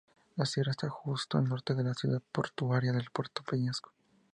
La sierra está justo al norte de la ciudad portuaria de Puerto Peñasco.